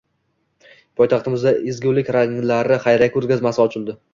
Poytaxtimizda «Ezgulik ranglari» xayriya ko‘rgazmasi ochildi